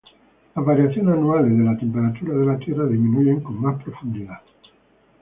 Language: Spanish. Las variaciones anuales de la temperatura de la tierra disminuyen con más profundidad.